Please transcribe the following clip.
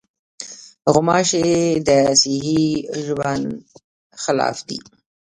غوماشې د صحي ژوند خلاف دي.